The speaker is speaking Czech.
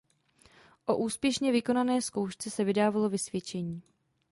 O úspěšně vykonané zkoušce se vydávalo vysvědčení.